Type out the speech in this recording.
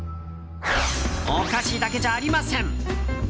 お菓子だけじゃありません。